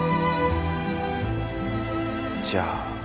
じゃあ